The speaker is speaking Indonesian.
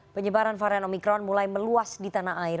penyebaran varian omikron mulai meluas di tanah air